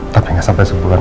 tapi gak sampai sebulan